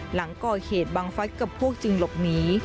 หลังก่อเหตุบังฟัสกับพวกจึงหลบหนี